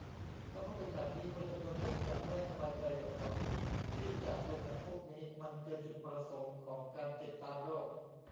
แล้วพอเป็นแบบนี้ คนจำนวนนึงจะไม่สบายใจหรอกที่จะลงแอปพวกนี้ มันเกินจุดประสงค์ของการติดตามโรค